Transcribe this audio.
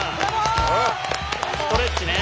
ストレッチね。